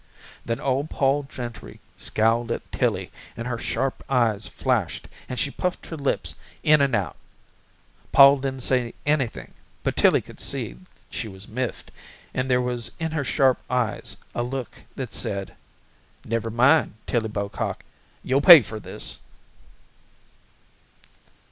Then old Pol Gentry scowled at Tillie and her sharp eyes flashed and she puffed her lips in and out. Pol didn't say anything but Tillie could see she was miffed and there was in her sharp eyes a look that said, "Never mind, Tillie Bocock, you'll pay for this."